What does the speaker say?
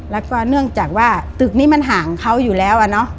แล้วก็เนื่องจากว่าตึกนี้มันห่างเขาอยู่แล้วอะเนาะ